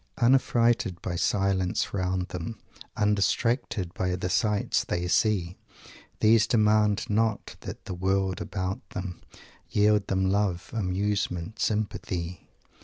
"Unaffrightened by the silence round them Undistracted by the sights they see These demand not that the world about them Yield them love, amusement, sympathy.